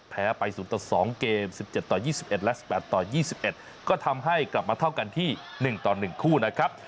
แพ้ไป๐ต่อ๒เกม๑๗ต่อ๒๑และ๑๘ต่อ๒๑ก็ทำให้กลับมาเท่ากันที่๑ต่อ๑คู่นะครับ